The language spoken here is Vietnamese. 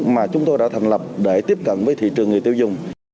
mà chúng tôi đã thành lập để tiếp cận với thị trường người tiêu dùng